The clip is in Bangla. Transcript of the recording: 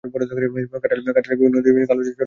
কাঁঠালিয়া বিভিন্ন নদী, খাল ও চরের জন্য বিখ্যাত।